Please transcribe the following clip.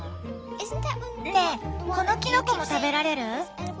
ねえこのキノコも食べられる？